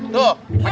tuh pake apaan